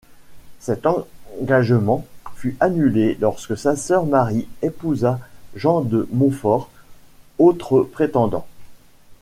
Cet engagement fut annulé lorsque sa sœur Marie épousa Jean de Montfort, autre prétendant.